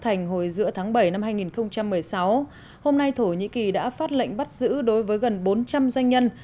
thành hồi giữa tháng bảy năm hai nghìn một mươi sáu hôm nay thổ nhĩ kỳ đã phát lệnh bắt giữ đối với gần bốn trăm linh doanh nhân